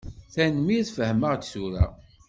Tanemmirt, fehmeɣ-d tura.